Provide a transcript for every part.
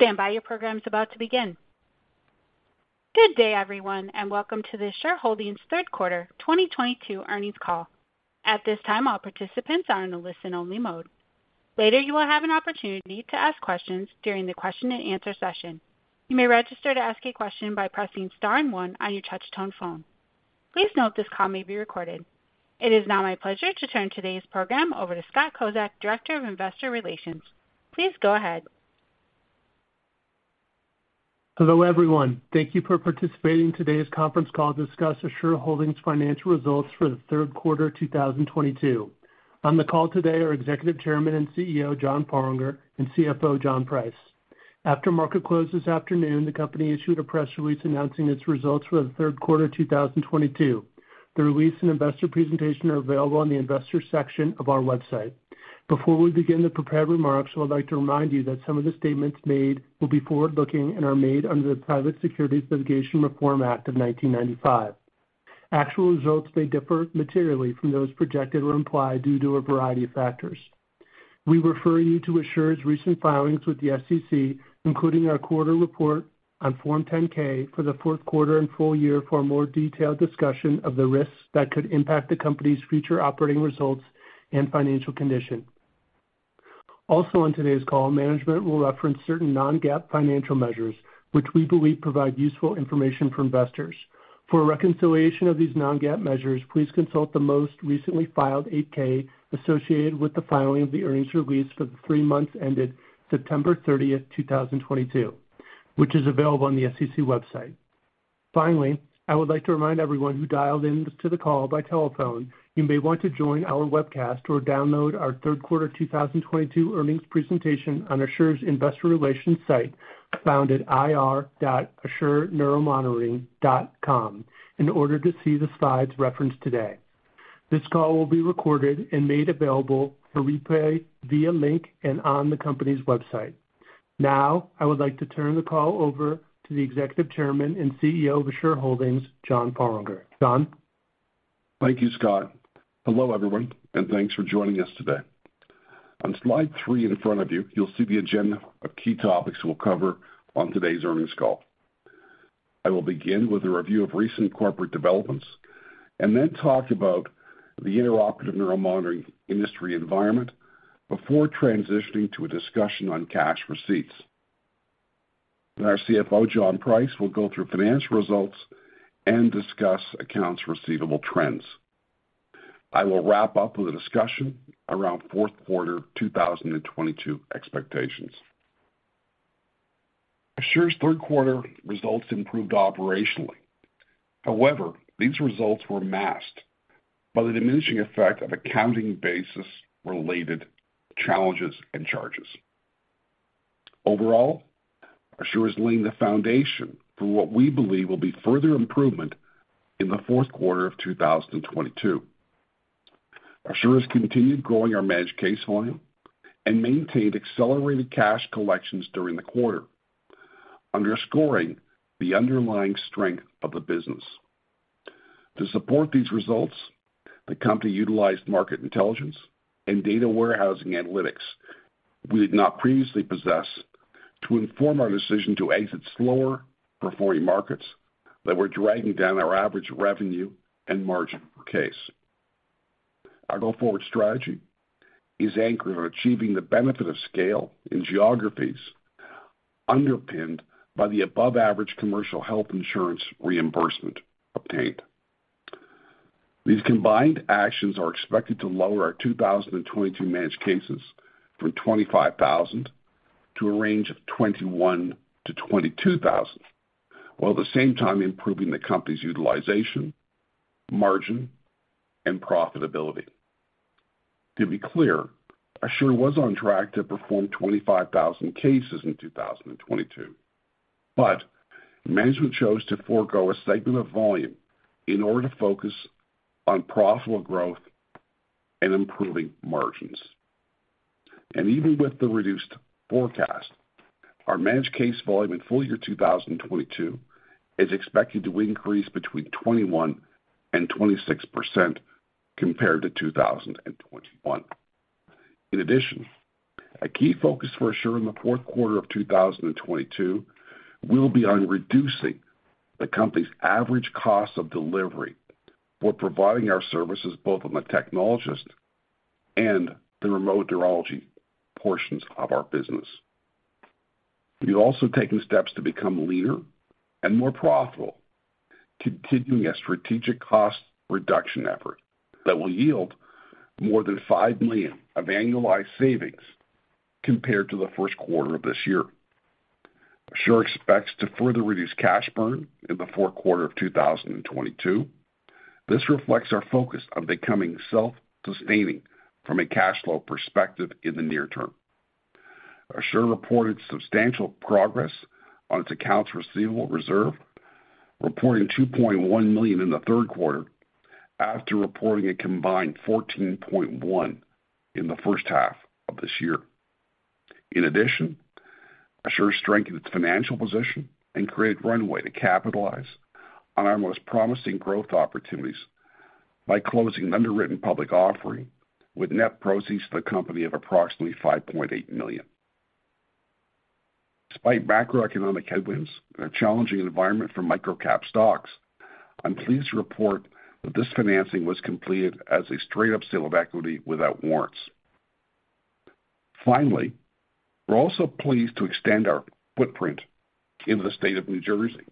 Please stand by. Your program is about to begin. Good day, everyone, and welcome to the Assure Holdings third quarter 2022 earnings call. At this time, all participants are in a listen-only mode. Later, you will have an opportunity to ask questions during the question-and-answer session. You may register to ask a question by pressing star and one on your touch tone phone. Please note this call may be recorded. It is now my pleasure to turn today's program over to Scott Kozak, Director of Investor Relations. Please go ahead. Hello, everyone. Thank you for participating in today's conference call to discuss Assure Holdings financial results for the third quarter 2022. On the call today are Executive Chairman and CEO, John Farlinger, and CFO, John Price. After market close this afternoon, the company issued a press release announcing its results for the third quarter 2022. The release and investor presentation are available on the investor section of our website. Before we begin the prepared remarks, I would like to remind you that some of the statements made will be forward-looking and are made under the Private Securities Litigation Reform Act of 1995. Actual results may differ materially from those projected or implied due to a variety of factors. We refer you to Assure's recent filings with the SEC, including our quarterly report on Form 10-K for the fourth quarter and full year for a more detailed discussion of the risks that could impact the company's future operating results and financial condition. Also on today's call, management will reference certain non-GAAP financial measures, which we believe provide useful information for investors. For a reconciliation of these non-GAAP measures, please consult the most recently filed Form 8-K associated with the filing of the earnings release for the three months ended September 30, 2022, which is available on the SEC website. Finally, I would like to remind everyone who dialed into the call by telephone, you may want to join our webcast or download our third quarter 2022 earnings presentation on Assure's investor relations site found at ir.assureneuromonitoring.com in order to see the slides referenced today. This call will be recorded and made available for replay via link and on the company's website. Now, I would like to turn the call over to the Executive Chairman and CEO of Assure Holdings, John Farlinger. John? Thank you, Scott. Hello, everyone, and thanks for joining us today. On Slide 3 in front of you'll see the agenda of key topics we'll cover on today's earnings call. I will begin with a review of recent corporate developments and then talk about the intraoperative neuromonitoring industry environment before transitioning to a discussion on cash receipts. Then our CFO, John Price, will go through financial results and discuss accounts receivable trends. I will wrap up with a discussion around fourth quarter 2022 expectations. Assure's third quarter results improved operationally. However, these results were masked by the diminishing effect of accounting basis-related challenges and charges. Overall, Assure is laying the foundation for what we believe will be further improvement in the fourth quarter of 2022. Assure has continued growing our managed case volume and maintained accelerated cash collections during the quarter, underscoring the underlying strength of the business. To support these results, the company utilized market intelligence and data warehousing analytics we did not previously possess to inform our decision to exit slower-performing markets that were dragging down our average revenue and margin per case. Our go-forward strategy is anchored on achieving the benefit of scale in geographies underpinned by the above average commercial health insurance reimbursement obtained. These combined actions are expected to lower our 2022 managed cases from 25,000 to a range of 21,000-22,000, while at the same time improving the company's utilization, margin, and profitability. To be clear, Assure was on track to perform 25,000 cases in 2022, but management chose to forego a segment of volume in order to focus on profitable growth and improving margins. Even with the reduced forecast, our managed case volume in full year 2022 is expected to increase between 21% and 26% compared to 2021. In addition, a key focus for Assure in the fourth quarter of 2022 will be on reducing the company's average cost of delivery for providing our services both on the technologist and the remote neurology portions of our business. We've also taken steps to become leaner and more profitable, continuing a strategic cost reduction effort that will yield more than $5 million of annualized savings compared to the first quarter of this year. Assure expects to further reduce cash burn in the fourth quarter of 2022. This reflects our focus on becoming self-sustaining from a cash flow perspective in the near term. Assure reported substantial progress on its accounts receivable reserve, reporting $2.1 million in the third quarter after reporting a combined $14.1 million in the first half of this year. In addition, Assure strengthened its financial position and created runway to capitalize on our most promising growth opportunities by closing an underwritten public offering with net proceeds to the company of approximately $5.8 million. Despite macroeconomic headwinds and a challenging environment for microcap stocks. I'm pleased to report that this financing was completed as a straight-up sale of equity without warrants. Finally, we're also pleased to extend our footprint in the state of New Jersey,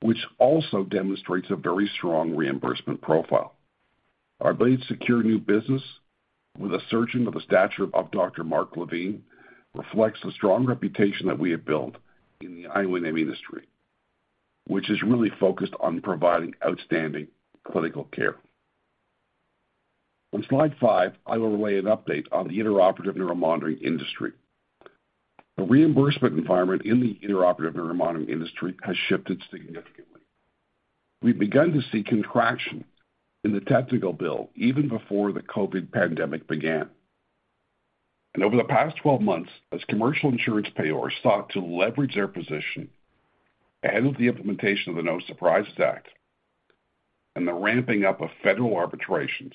which also demonstrates a very strong reimbursement profile. Our ability to secure new business with a surgeon of the stature of Dr. Marc Levine reflects the strong reputation that we have built in the IOM industry, which is really focused on providing outstanding clinical care. On Slide 5, I will relay an update on the intraoperative neuromonitoring industry. The reimbursement environment in the intraoperative neuromonitoring industry has shifted significantly. We've begun to see contraction in the technical bill even before the COVID pandemic began. Over the past 12 months, as commercial insurance payers sought to leverage their position ahead of the implementation of the No Surprises Act and the ramping up of federal arbitrations,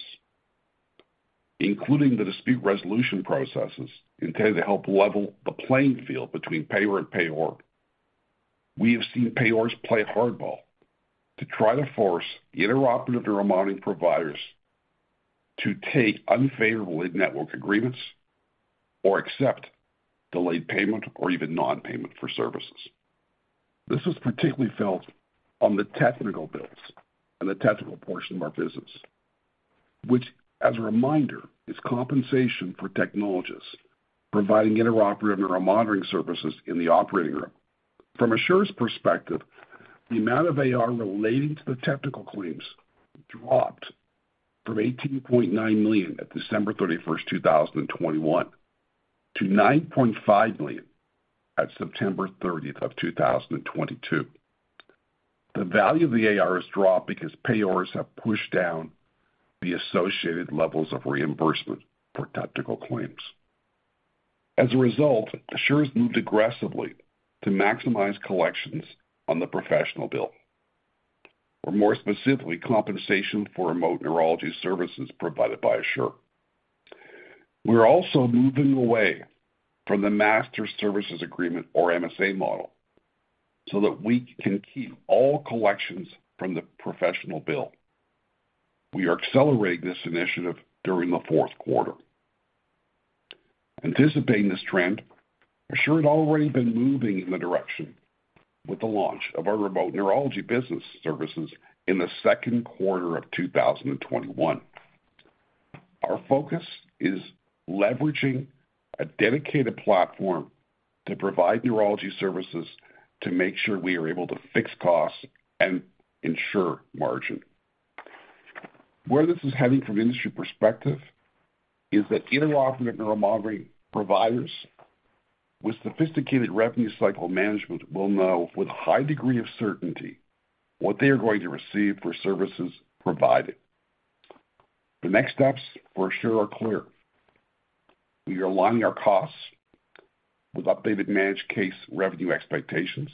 including the dispute resolution processes intended to help level the playing field between payer and provider, we have seen payers play hardball to try to force the intraoperative neuromonitoring providers to take unfavorable in-network agreements or accept delayed payment or even non-payment for services. This was particularly felt on the technical bills and the technical portion of our business, which, as a reminder, is compensation for technologists providing intraoperative neuromonitoring services in the operating room. From Assure's perspective, the amount of AR relating to the technical claims dropped from $18.9 million at December 31, 2021 to $9.5 million at September 30, 2022. The value of the AR has dropped because payors have pushed down the associated levels of reimbursement for technical claims. As a result, Assure's moved aggressively to maximize collections on the professional bill or more specifically, compensation for remote neurology services provided by Assure. We're also moving away from the master services agreement or MSA model so that we can keep all collections from the professional bill. We are accelerating this initiative during the fourth quarter. Anticipating this trend, Assure had already been moving in the direction with the launch of our remote neurology business services in the second quarter of 2021. Our focus is leveraging a dedicated platform to provide neurology services to make sure we are able to fix costs and ensure margin. Where this is heading from industry perspective is that intraoperative neuromonitoring providers with sophisticated revenue cycle management will know with a high degree of certainty what they are going to receive for services provided. The next steps for Assure are clear. We are aligning our costs with updated managed case revenue expectations.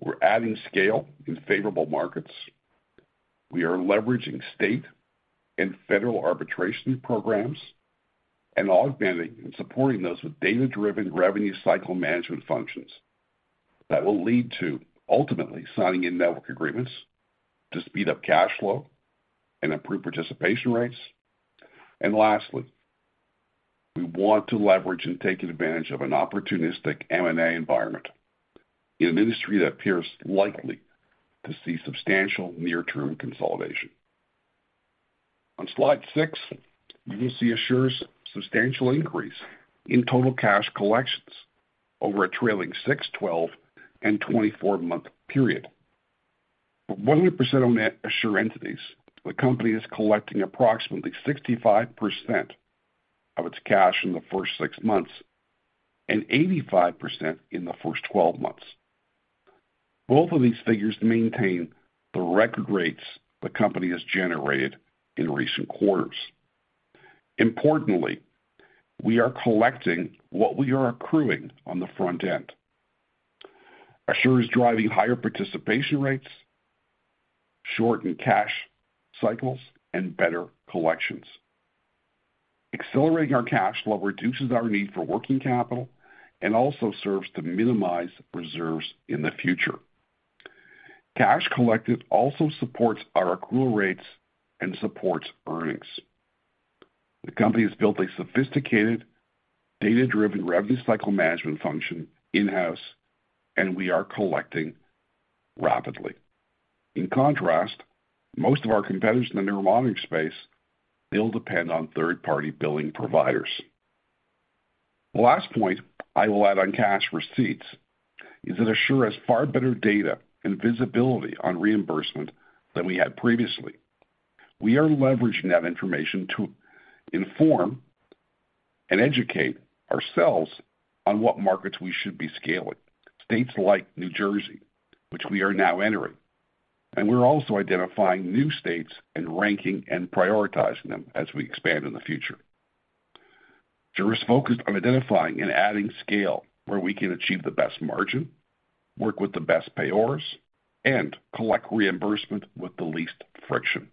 We're adding scale in favorable markets. We are leveraging state and federal arbitration programs and augmenting and supporting those with data-driven revenue cycle management functions that will lead to ultimately signing in-network agreements to speed up cash flow and improve participation rates. Lastly, we want to leverage and take advantage of an opportunistic M&A environment in an industry that appears likely to see substantial near-term consolidation. On Slide 6, you will see Assure's substantial increase in total cash collections over a trailing six, 12, and 24-month period. For 100% on net Assure entities, the company is collecting approximately 65% of its cash in the first 6 months and 85% in the first 12 months. Both of these figures maintain the record rates the company has generated in recent quarters. Importantly, we are collecting what we are accruing on the front end. Assure is driving higher participation rates, shortened cash cycles, and better collections. Accelerating our cash flow reduces our need for working capital and also serves to minimize reserves in the future. Cash collected also supports our accrual rates and supports earnings. The company has built a sophisticated data-driven revenue cycle management function in-house, and we are collecting rapidly. In contrast, most of our competitors in the neuromonitoring space still depend on third-party billing providers. The last point I will add on cash receipts is that Assure has far better data and visibility on reimbursement than we had previously. We are leveraging that information to inform and educate ourselves on what markets we should be scaling. States like New Jersey, which we are now entering, and we're also identifying new states and ranking and prioritizing them as we expand in the future. Assure is focused on identifying and adding scale where we can achieve the best margin, work with the best payers, and collect reimbursement with the least friction.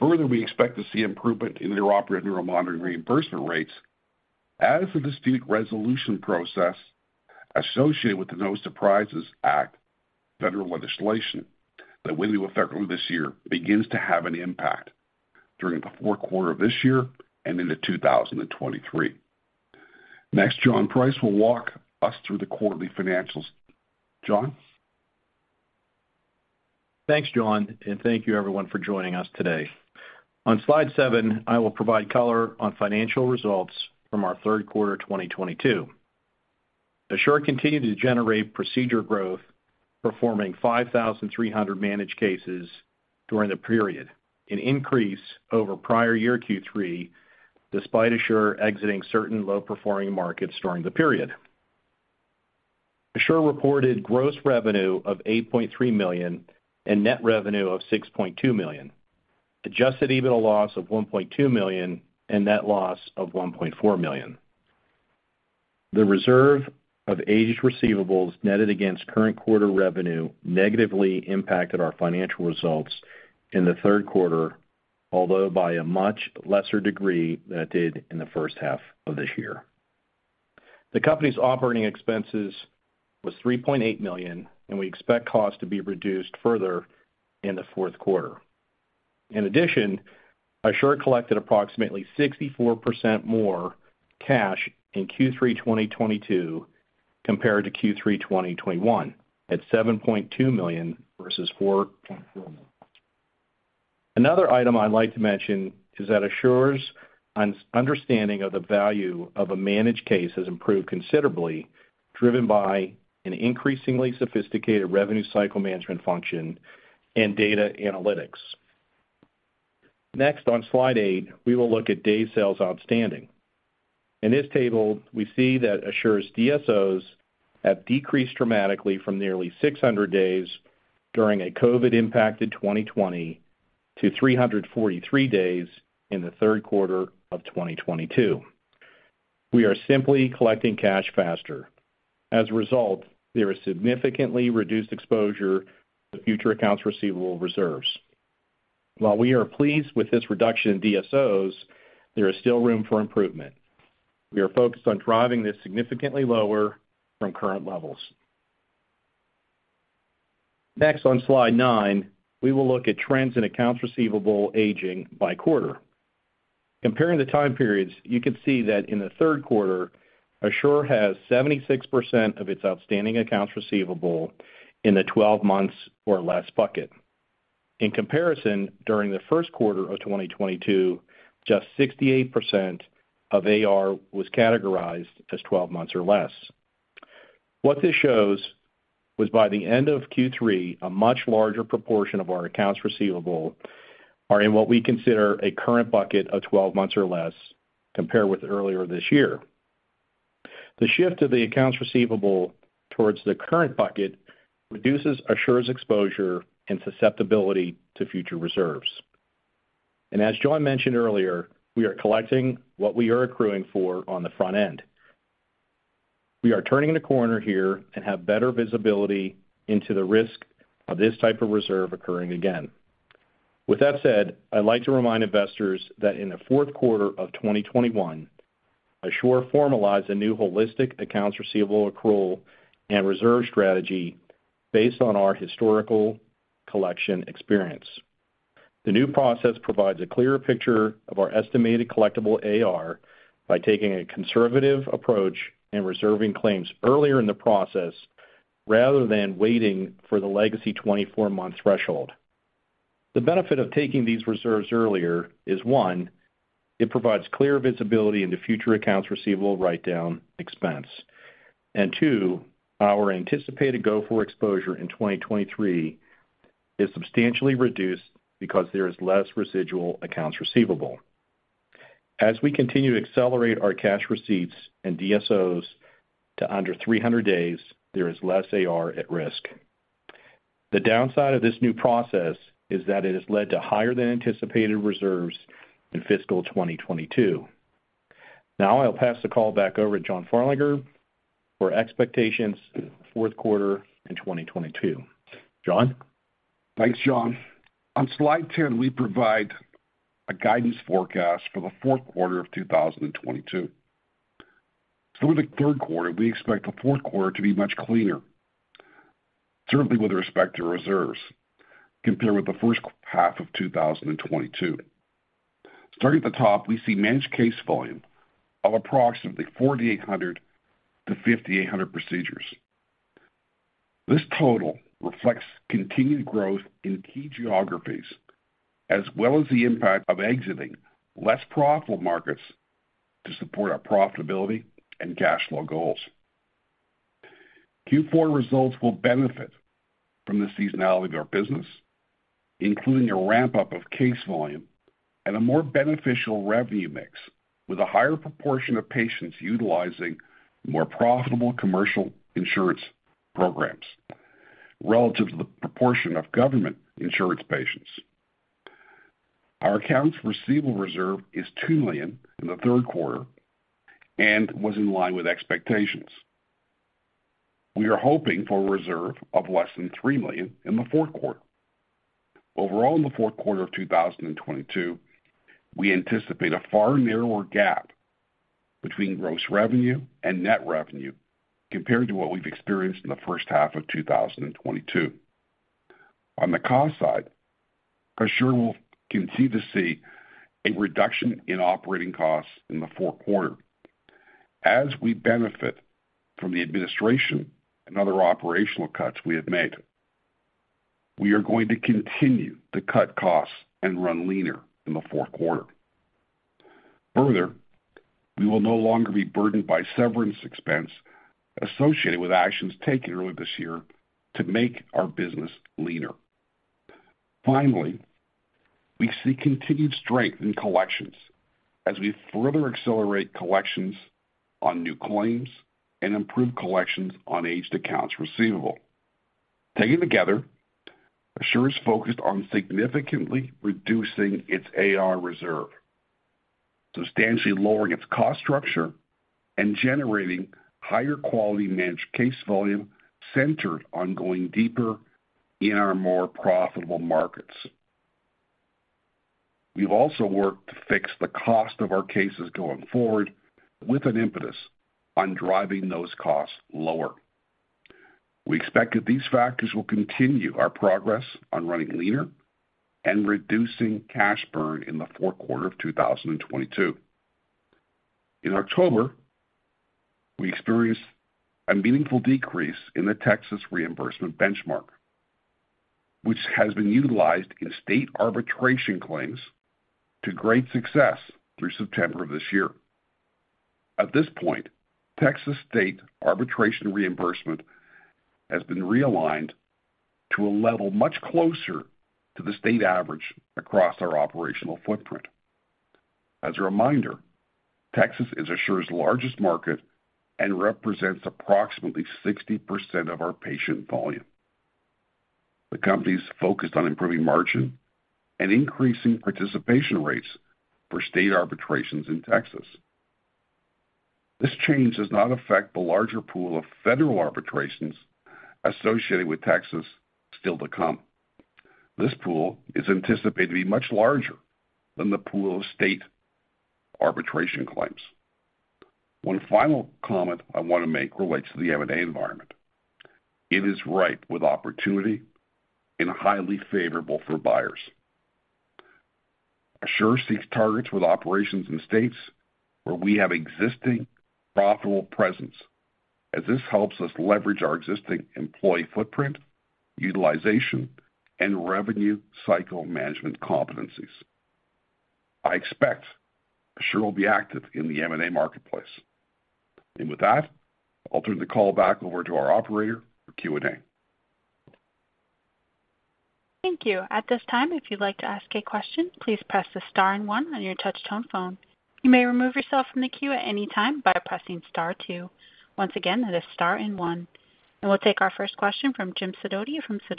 Further, we expect to see improvement in their intraoperative neuromonitoring reimbursement rates as the dispute resolution process associated with the No Surprises Act, federal legislation that went into effect earlier this year, begins to have an impact during the fourth quarter of this year and into 2023. Next, John Price will walk us through the quarterly financials. John? Thanks, John, and thank you everyone for joining us today. On Slide 7, I will provide color on financial results from our third quarter 2022. Assure continued to generate procedure growth, performing 5,300 managed cases during the period, an increase over prior year Q3, despite Assure exiting certain low performing markets during the period. Assure reported gross revenue of $8.3 million and net revenue of $6.2 million. Adjusted EBITDA loss of $1.2 million and net loss of $1.4 million. The reserve of aged receivables netted against current quarter revenue negatively impacted our financial results in the third quarter, although by a much lesser degree than it did in the first half of this year. The company's operating expenses was $3.8 million, and we expect costs to be reduced further in the fourth quarter. In addition, Assure collected approximately 64% more cash in Q3 2022 compared to Q3 2021 at $7.2 million versus $4.4 million. Another item I'd like to mention is that Assure's understanding of the value of a managed case has improved considerably, driven by an increasingly sophisticated revenue cycle management function and data analytics. Next, on Slide 8, we will look at Days Sales Outstanding. In this table, we see that Assure's DSOs have decreased dramatically from nearly 600 days during a COVID-impacted 2020 to 343 days in the third quarter of 2022. We are simply collecting cash faster. As a result, there is significantly reduced exposure to future accounts receivable reserves. While we are pleased with this reduction in DSOs, there is still room for improvement. We are focused on driving this significantly lower from current levels. Next on Slide 9, we will look at trends in accounts receivable aging by quarter. Comparing the time periods, you can see that in the third quarter, Assure has 76% of its outstanding accounts receivable in the 12 months or less bucket. In comparison, during the first quarter of 2022, just 68% of AR was categorized as 12 months or less. What this shows was by the end of Q3, a much larger proportion of our accounts receivable are in what we consider a current bucket of 12 months or less compared with earlier this year. The shift of the accounts receivable towards the current bucket reduces Assure's exposure and susceptibility to future reserves. As John mentioned earlier, we are collecting what we are accruing for on the front end. We are turning the corner here and have better visibility into the risk of this type of reserve occurring again. With that said, I'd like to remind investors that in the fourth quarter of 2021. Assure formalized a new holistic accounts receivable accrual and reserve strategy based on our historical collection experience. The new process provides a clearer picture of our estimated collectible AR by taking a conservative approach and reserving claims earlier in the process rather than waiting for the legacy 24-month threshold. The benefit of taking these reserves earlier is, one, it provides clear visibility into future accounts receivable write-down expense. Two, our anticipated go-forward exposure in 2023 is substantially reduced because there is less residual accounts receivable. As we continue to accelerate our cash receipts and DSOs to under 300 days, there is less AR at risk. The downside of this new process is that it has led to higher than anticipated reserves in fiscal 2022. Now I'll pass the call back over to John Farlinger for expectations fourth quarter in 2022. John? Thanks, John. On Slide 10, we provide a guidance forecast for the fourth quarter of 2022. With the third quarter, we expect the fourth quarter to be much cleaner, certainly with respect to reserves compared with the first half of 2022. Starting at the top, we see managed case volume of approximately 4,800-5,800 procedures. This total reflects continued growth in key geographies, as well as the impact of exiting less profitable markets to support our profitability and cash flow goals. Q4 results will benefit from the seasonality of our business, including a ramp up of case volume and a more beneficial revenue mix with a higher proportion of patients utilizing more profitable commercial insurance programs. Relative to the proportion of government insurance patients. Our accounts receivable reserve is $2 million in the third quarter and was in line with expectations. We are hoping for a reserve of less than $3 million in the fourth quarter. Overall, in the fourth quarter of 2022, we anticipate a far narrower gap between gross revenue and net revenue compared to what we've experienced in the first half of 2022. On the cost side, Assure will continue to see a reduction in operating costs in the fourth quarter as we benefit from the administrative and other operational cuts we have made. We are going to continue to cut costs and run leaner in the fourth quarter. Further, we will no longer be burdened by severance expense associated with actions taken earlier this year to make our business leaner. Finally, we see continued strength in collections as we further accelerate collections on new claims and improve collections on aged accounts receivable. Taken together, Assure is focused on significantly reducing its AR reserve, substantially lowering its cost structure, and generating higher quality managed case volume centered on going deeper in our more profitable markets. We've also worked to fix the cost of our cases going forward with an impetus on driving those costs lower. We expect that these factors will continue our progress on running leaner and reducing cash burn in the fourth quarter of 2022. In October, we experienced a meaningful decrease in the Texas reimbursement benchmark, which has been utilized in state arbitration claims to great success through September of this year. At this point, Texas state arbitration reimbursement has been realigned to a level much closer to the state average across our operational footprint. As a reminder, Texas is Assure's largest market and represents approximately 60% of our patient volume. The company's focused on improving margin and increasing participation rates for state arbitrations in Texas. This change does not affect the larger pool of federal arbitrations associated with Texas still to come. This pool is anticipated to be much larger than the pool of state arbitration claims. One final comment I want to make relates to the M&A environment. It is ripe with opportunity and highly favorable for buyers. Assure seeks targets with operations in states where we have existing profitable presence, as this helps us leverage our existing employee footprint, utilization, and revenue cycle management competencies. I expect Assure will be active in the M&A marketplace. With that, I'll turn the call back over to our operator for Q&A. Thank you. At this time, if you'd like to ask a question, please press star and one on your touch tone phone. You may remove yourself from the queue at any time by pressing star two. Once again, that is star and one. We'll take our first question from Jim Sidoti from Sidoti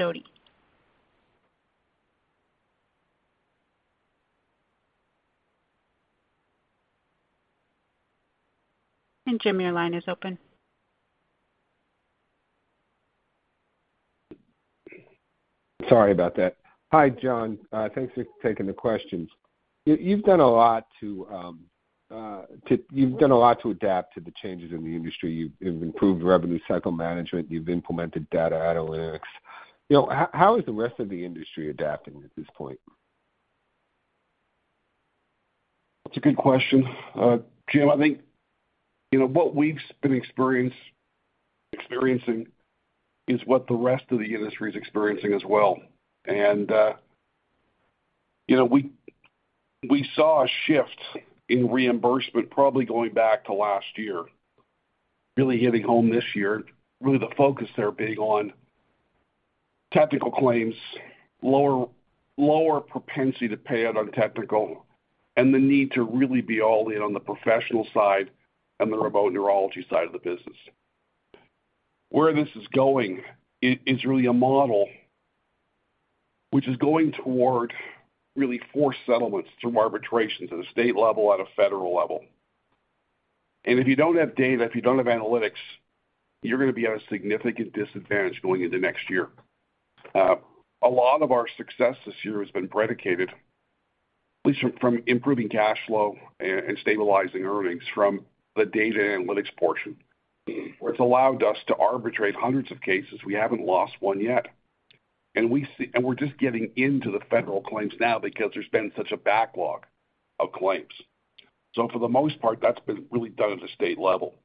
& Company. Jim, your line is open. Sorry about that. Hi, John. Thanks for taking the questions. You've done a lot to adapt to the changes in the industry. You've improved revenue cycle management. You've implemented data analytics. You know, how is the rest of the industry adapting at this point? That's a good question. Jim, I think, you know, what we've been experiencing is what the rest of the industry is experiencing as well. You know, we saw a shift in reimbursement probably going back to last year, really hitting home this year, really the focus there being on technical claims, lower propensity to pay out on technical and the need to really be all in on the professional side and the remote neurology side of the business. Where this is going is really a model which is going toward really forced settlements through arbitrations at a state level, at a federal level. If you don't have data, if you don't have analytics, you're gonna be at a significant disadvantage going into next year. A lot of our success this year has been predicated at least from improving cash flow and stabilizing earnings from the data analytics portion, where it's allowed us to arbitrate hundreds of cases. We haven't lost one yet, and we're just getting into the federal claims now because there's been such a backlog of claims. For the most part, that's been really done at the state level.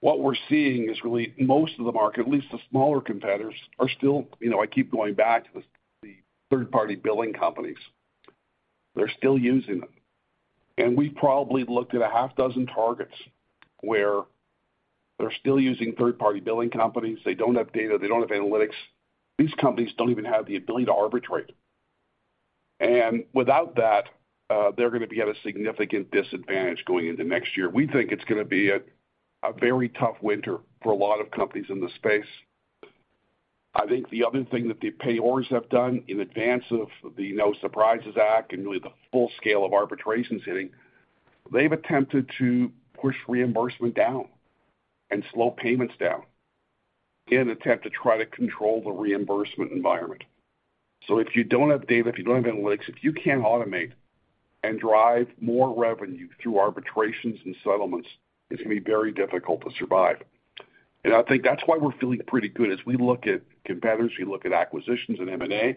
What we're seeing is really most of the market, at least the smaller competitors, are still using them. You know, I keep going back to the third-party billing companies. They're still using them. We probably looked at six targets where they're still using third-party billing companies. They don't have data. They don't have analytics. These companies don't even have the ability to arbitrate. Without that, they're gonna be at a significant disadvantage going into next year. We think it's gonna be a very tough winter for a lot of companies in the space. I think the other thing that the payers have done in advance of the No Surprises Act and really the full scale of arbitrations hitting, they've attempted to push reimbursement down and slow payments down in an attempt to try to control the reimbursement environment. If you don't have data, if you don't have analytics, if you can't automate and drive more revenue through arbitrations and settlements, it's gonna be very difficult to survive. I think that's why we're feeling pretty good. As we look at competitors, we look at acquisitions and M&A,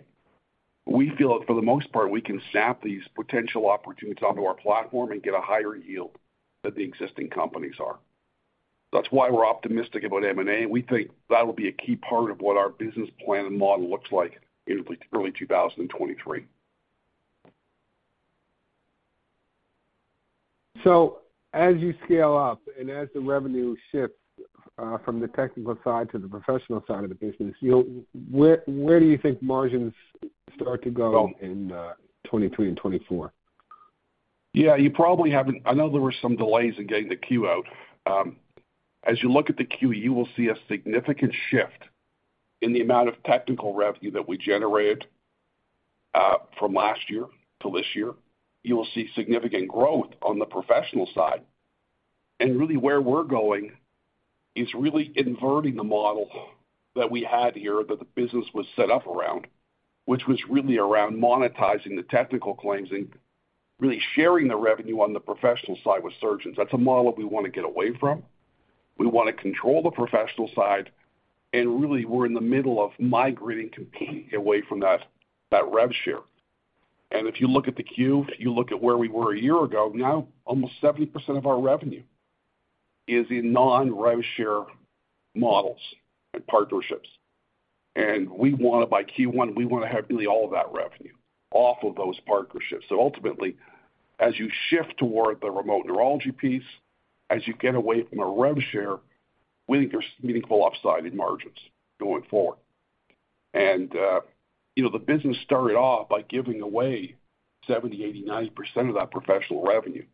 we feel that for the most part, we can snap these potential opportunities onto our platform and get a higher yield than the existing companies are. That's why we're optimistic about M&A. We think that'll be a key part of what our business plan and model looks like in early 2023. As you scale up and as the revenue shifts from the technical side to the professional side of the business, you know, where do you think margins start to go in 2023 and 2024? Yeah. You probably haven't. I know there were some delays in getting the Q out. As you look at the Q, you will see a significant shift in the amount of technical revenue that we generated from last year to this year. You will see significant growth on the professional side. Really where we're going is really inverting the model that we had here, that the business was set up around, which was really around monetizing the technical claims and really sharing the revenue on the professional side with surgeons. That's a model that we wanna get away from. We wanna control the professional side, and really, we're in the middle of migrating completely away from that rev share. If you look at the queue, you look at where we were a year ago, now almost 70% of our revenue is in non-rev share models and partnerships. We wanna by Q1, we wanna have really all of that revenue off of those partnerships. Ultimately, as you shift toward the remote neurology piece, as you get away from a rev share, we think there's meaningful upside in margins going forward. You know, the business started off by giving away 70, 80, 90% of that professional revenue.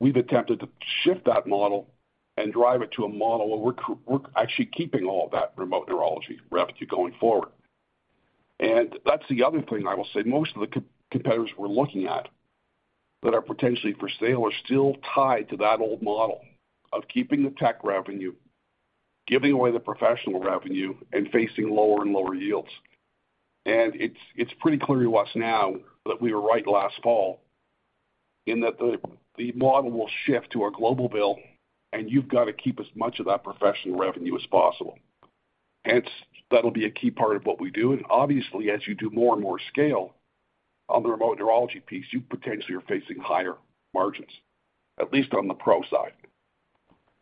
We've attempted to shift that model and drive it to a model where we're actually keeping all that remote neurology revenue going forward. That's the other thing I will say. Most of the competitors we're looking at that are potentially for sale are still tied to that old model of keeping the tech revenue, giving away the professional revenue, and facing lower and lower yields. It's pretty clear to us now that we were right last fall in that the model will shift to a global bill, and you've got to keep as much of that professional revenue as possible. Hence, that'll be a key part of what we do. Obviously, as you do more and more scale on the remote neurology piece, you potentially are facing higher margins, at least on the pro side.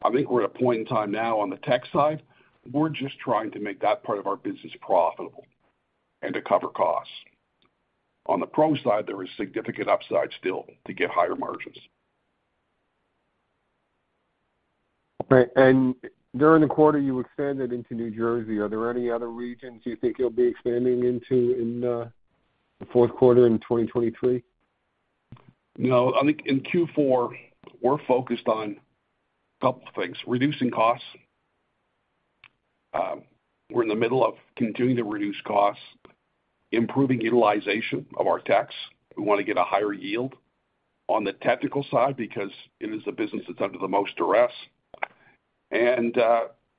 I think we're at a point in time now on the tech side, we're just trying to make that part of our business profitable and to cover costs. On the pro side, there is significant upside still to get higher margins. Okay. During the quarter, you expanded into New Jersey. Are there any other regions you think you'll be expanding into in the fourth quarter in 2023? No. I think in Q4, we're focused on a couple things. Reducing costs. We're in the middle of continuing to reduce costs, improving utilization of our techs. We wanna get a higher yield on the technical side because it is a business that's under the most duress.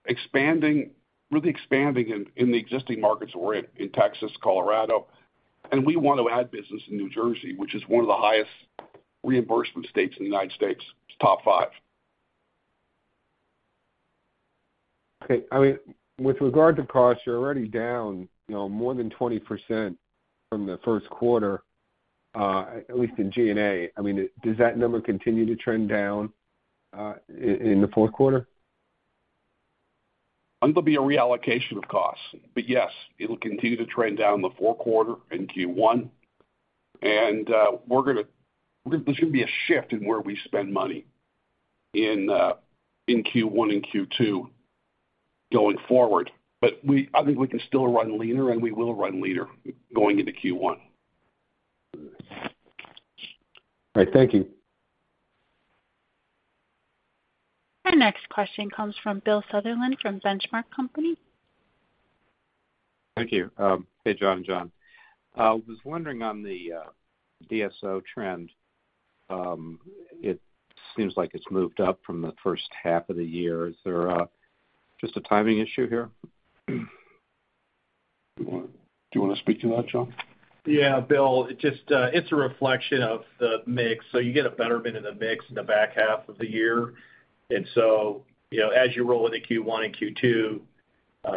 Expanding, really expanding in the existing markets we're in Texas, Colorado. We want to add business in New Jersey, which is one of the highest reimbursement states in the United States. It's top five. Okay. I mean, with regard to costs, you're already down, you know, more than 20% from the first quarter, at least in G&A. I mean, does that number continue to trend down, in the fourth quarter? I think there'll be a reallocation of costs. Yes, it'll continue to trend down in the fourth quarter in Q1. There's gonna be a shift in where we spend money in Q1 and Q2 going forward. I think we can still run leaner, and we will run leaner going into Q1. All right. Thank you. Our next question comes from Bill Sutherland from The Benchmark Company. Thank you. Hey, John and John. I was wondering on the DSO trend, it seems like it's moved up from the first half of the year. Is there just a timing issue here? Do you wanna speak to that, John? Yeah, Bill, it just, it's a reflection of the mix. You get a betterment in the mix in the back half of the year. You know, as you roll into Q1 and Q2,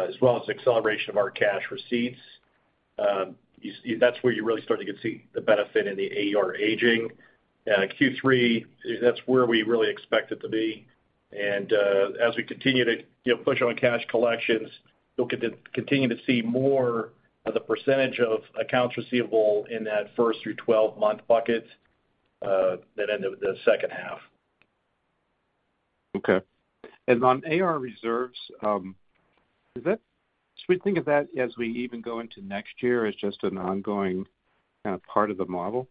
as well as acceleration of our cash receipts, that's where you really start to get to see the benefit in the AR aging. Q3, that's where we really expect it to be. As we continue to, you know, push on cash collections, you'll continue to see more of the percentage of accounts receivable in that first through 12-month buckets than in the second half. Okay. On AR reserves, should we think of that as we even go into next year as just an ongoing kind of part of the model?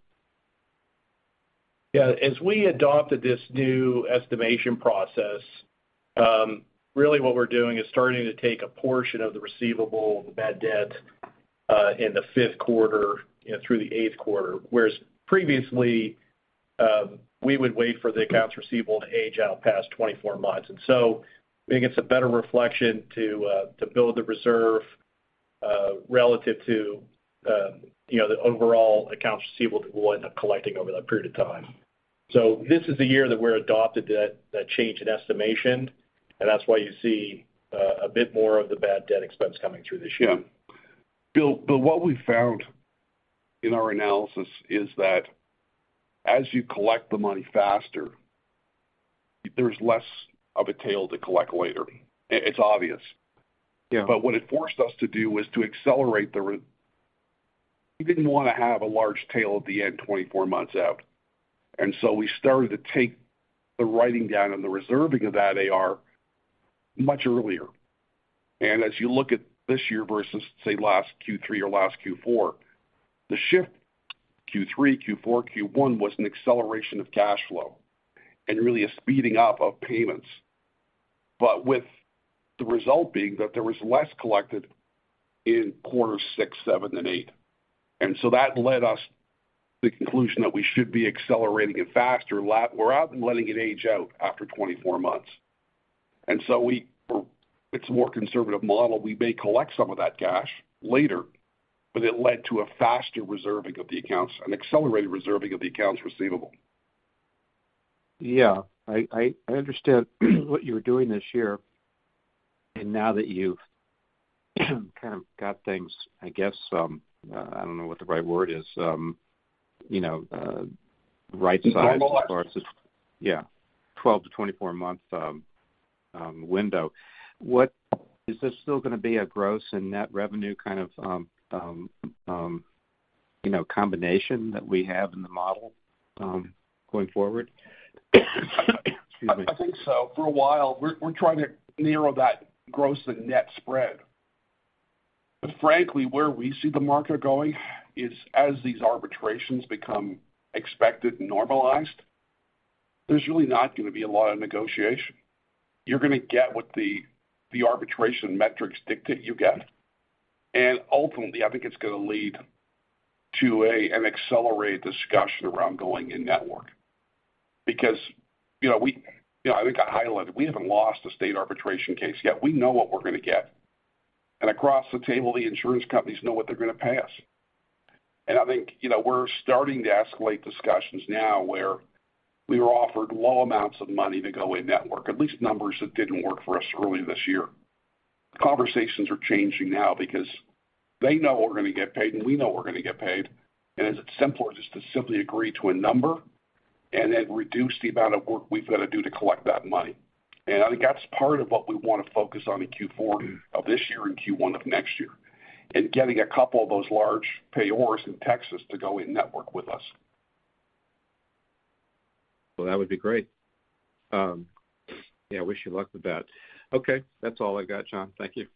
Yeah. As we adopted this new estimation process, really what we're doing is starting to take a portion of the receivable, the bad debt, in the fifth quarter, you know, through the eighth quarter. Whereas previously, we would wait for the accounts receivable to age out past 24 months. I think it's a better reflection to build the reserve relative to, you know, the overall accounts receivable that we'll end up collecting over that period of time. This is the year that we're adopted that change in estimation, and that's why you see a bit more of the bad debt expense coming through this year. Yeah. Bill, what we found in our analysis is that as you collect the money faster, there's less of a tail to collect later. It's obvious. Yeah. What it forced us to do was to accelerate. We didn't wanna have a large tail at the end, 24 months out. We started to take the writing down and the reserving of that AR much earlier. As you look at this year versus, say, last Q3 or last Q4, the shift Q3, Q4, Q1 was an acceleration of cash flow, and really a speeding up of payments. With the result being that there was less collected in quarters 6, 7, and 8. That led us to the conclusion that we should be accelerating it faster rather than letting it age out after 24 months. It's a more conservative model. We may collect some of that cash later, but it led to a faster reserving of the accounts, an accelerated reserving of the accounts receivable. Yeah. I understand what you're doing this year. Now that you've kind of got things, I guess, I don't know what the right word is, you know, right-sized- Normalized. Yeah. 12-24 month window. What is this still gonna be a gross and net revenue kind of, you know, combination that we have in the model going forward? Excuse me. I think so. For a while, we're trying to narrow that gross and net spread. Frankly, where we see the market going is as these arbitrations become expected and normalized, there's really not gonna be a lot of negotiation. You're gonna get what the arbitration metrics dictate you get. Ultimately, I think it's gonna lead to an accelerated discussion around going in-network. Because, you know, we, you know, I think I highlighted, we haven't lost a state arbitration case yet. We know what we're gonna get. Across the table, the insurance companies know what they're gonna pass. I think, you know, we're starting to escalate discussions now where we were offered low amounts of money to go in-network, at least numbers that didn't work for us earlier this year. Conversations are changing now because they know we're gonna get paid, and we know we're gonna get paid. Is it simpler just to simply agree to a number and then reduce the amount of work we've gotta do to collect that money? I think that's part of what we wanna focus on in Q4 of this year and Q1 of next year, and getting a couple of those large payors in Texas to go in-network with us. Well, that would be great. Yeah, I wish you luck with that. Okay. That's all I got, John. Thank you.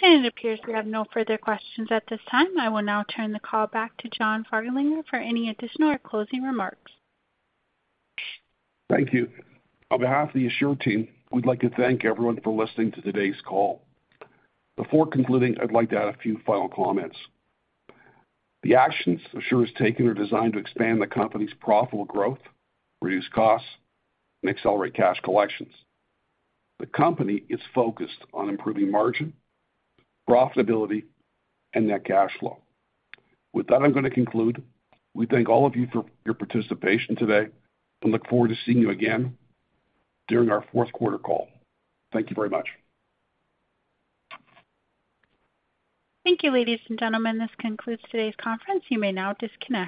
It appears we have no further questions at this time. I will now turn the call back to John Farlinger for any additional or closing remarks. Thank you. On behalf of the Assure team, we'd like to thank everyone for listening to today's call. Before concluding, I'd like to add a few final comments. The actions Assure has taken are designed to expand the company's profitable growth, reduce costs, and accelerate cash collections. The company is focused on improving margin, profitability, and net cash flow. With that, I'm gonna conclude. We thank all of you for your participation today and look forward to seeing you again during our fourth quarter call. Thank you very much. Thank you, ladies and gentlemen. This concludes today's conference. You may now disconnect.